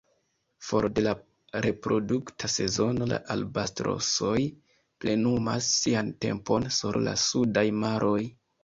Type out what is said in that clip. For de la reprodukta sezono, la albatrosoj plenumas sian tempon sur la sudaj maroj.